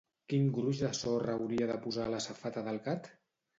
Quin gruix de sorra hauria de posar a la safata del gat?